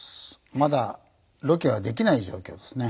まだロケはできない状況ですね。